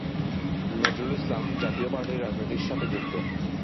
নজরুল ইসলাম জাতীয় পার্টির রাজনীতির সাথে যুক্ত।